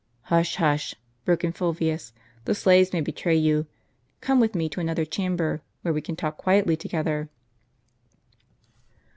"Hush, hush !" broke in Fulvius, "the slaves may betray you. Come with me to another chamber, where we can talk quietly together."